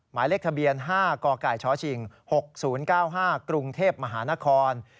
หมายเลขทะเบียน๕กกชชิง๖๐๙๕กรุงเทพมหานคร